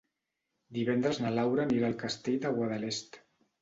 Divendres na Laura anirà al Castell de Guadalest.